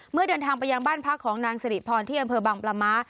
เดินทางไปยังบ้านพักของนางสิริพรที่อำเภอบังปลาม้า